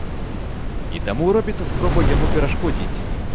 І таму робіцца спроба яму перашкодзіць.